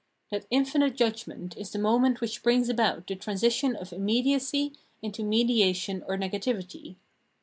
That infinite judgment is the moment which brings about the tran sition of immediacy into mediation or negativity.